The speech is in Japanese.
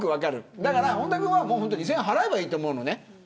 だから本田君は２０００円払えばいいと思うのね。